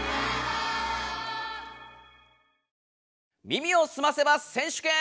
耳をすませば選手権！